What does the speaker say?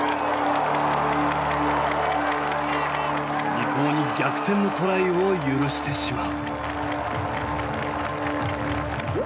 リコーに逆転のトライを許してしまう。